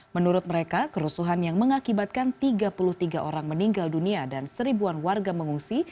menurut mereka kerusuhan yang mengakibatkan tiga puluh tiga orang meninggal dunia dan seribuan warga mengungsi